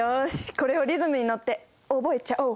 これをリズムに乗って覚えちゃおう。